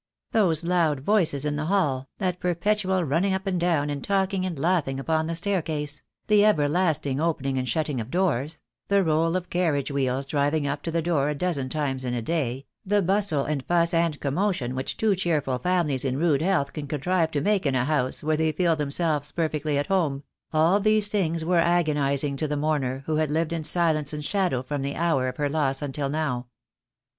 Those loud voices in the hall, that perpetual running up and down and talking and laughing upon the staircase; the everlasting opening and shutting of doors; the roll of carriage wheels driving up to the door a dozen times in a day; the bustle and fuss and commotion which two cheerful families in rude health can contrive to make in a house where they feel themselves perfectly at home — all these things were agonizing to the mourner who had lived in silence and shadow from the hour of her loss until now.